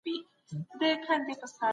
خلک د سياست کلمه په بېلابېلو ماناوو کاروي.